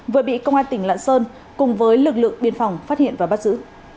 vừa bị công an tỉnh lạng sơn cùng với lực lượng biên phòng phát hiện và bắt giữ